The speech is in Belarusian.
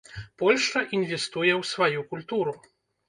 Польшча інвестуе ў сваю культуру.